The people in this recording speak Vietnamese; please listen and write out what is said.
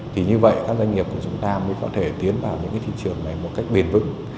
thì như vậy các doanh nghiệp của chúng ta mới có thể tiến vào những thị trường này một cách bền vững